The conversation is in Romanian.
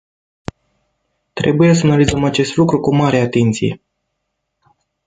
Trebuie să analizăm acest lucru cu mare atenție.